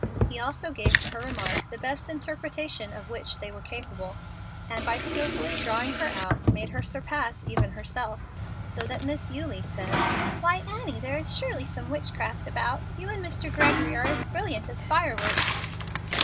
He also gave to her remarks the best interpretation of which they were capable, and by skilfully drawing her out made her surpass even herself, so that Miss Eulie said, "Why, Annie, there surely is some witchcraft about. You and Mr. Gregory are as brilliant as fireworks."